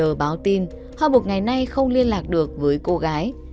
l báo tin họ buộc ngày nay không liên lạc được với cô gái